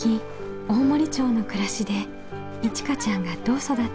大森町の暮らしでいちかちゃんがどう育っていくのか。